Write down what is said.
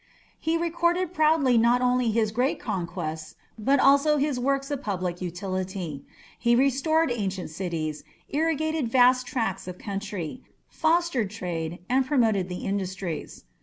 He recorded proudly not only his great conquests but also his works of public utility: he restored ancient cities, irrigated vast tracts of country, fostered trade, and promoted the industries.